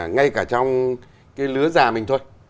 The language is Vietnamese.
ngay cả trong cái lứa già mình thôi